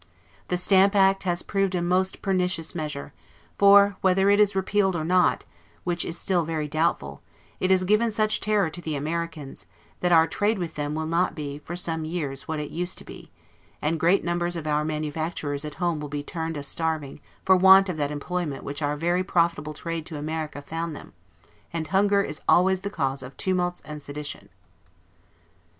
The Stamp act has proved a most pernicious measure; for, whether it is repealed or not, which is still very doubtful, it has given such terror to the Americans, that our trade with them will not be, for some years, what it used to be; and great numbers of our manufacturers at home will be turned a starving for want of that employment which our very profitable trade to America found them: and hunger is always the cause of tumults and sedition.